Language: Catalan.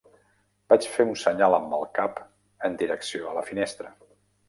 Vaig fer un senyal amb el cap en direcció a la finestra.